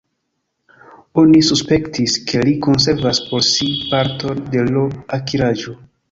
Oni suspektis, ke li konservas por si parton de l' akiraĵo.